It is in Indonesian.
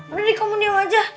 udah deh kamu diam aja